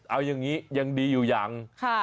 เอาอย่างนี้ยังดีอยู่ยัง